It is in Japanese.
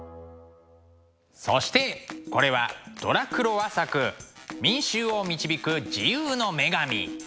そしてこれはドラクロワ作「民衆を導く自由の女神」。